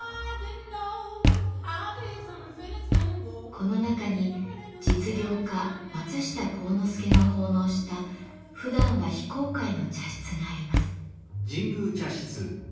この中に実業家松下幸之助が奉納したふだんは非公開の茶室があります。